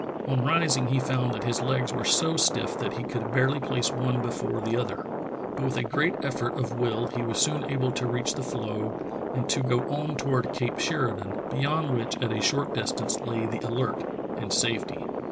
On rising he found that his legs were so stiff that he could barely place one before the other, but with a great effort of will he was soon able to reach the floe and to go on toward Cape Sheridan, beyond which at a short distance lay the Alert, and safety.